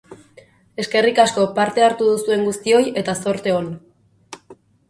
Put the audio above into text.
Eskerrik asko parte hartu duzuen guztioi eta zorte on!